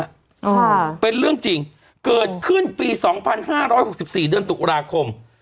อ่าเป็นเรื่องจริงเกิดขึ้นปีสองพันห้าร้อยหกสิบสี่เดือนตุลาคม